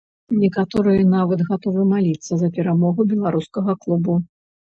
Некаторыя нават гатовы маліцца за перамогу беларускага клубу.